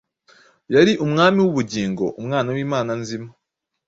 yari Umwami w’ubugingo, Umwana w’Imana nzima,